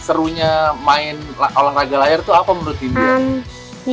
serunya main olahraga layar itu apa menurut india